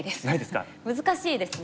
難しいですね。